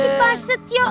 si pak setio